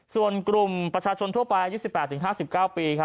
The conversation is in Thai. ส่วนกลุ่มประชาชนทั่วไปอายุ๑๘๕๙ปี